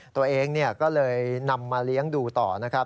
ตัวเองก็เลยนำมาเลี้ยงดูต่อนะครับ